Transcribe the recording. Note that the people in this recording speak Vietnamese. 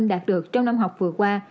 đạt được trong năm học vừa qua